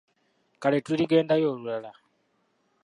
Kale tuligendayo olulala.